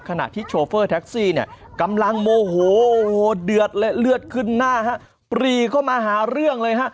ขณะที่โชเฟอร์แท็กซี่เนี่ยกำลังโมโหเดือดและเลือดขึ้นหน้าฮะปรีเข้ามาหาเรื่องเลยฮะ